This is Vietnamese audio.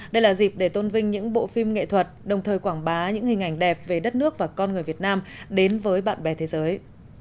đây là dịp để tôn vinh những bộ phim nghệ thuật đồng thời quảng bá những hình ảnh đẹp về đất nước và con người việt nam đến với bạn bè thế giới